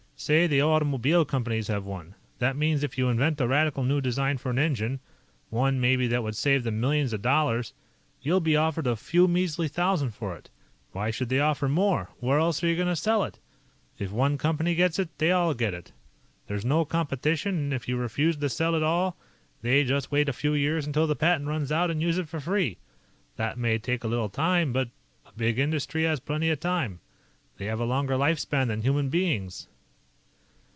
Say the automobile companies have one. That means that if you invent a radical new design for an engine one, maybe that would save them millions of dollars you'll be offered a few measly thousand for it. Why should they offer more? Where else are you going to sell it? If one company gets it, they all get it. There's no competition, and if you refuse to sell it at all, they just wait a few years until the patent runs out and use it for free. That may take a little time, but a big industry has plenty of time. They have a longer life span than human beings."